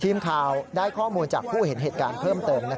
ทีมข่าวได้ข้อมูลจากผู้เห็นเหตุการณ์เพิ่มเติม